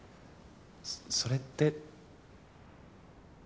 そそれって。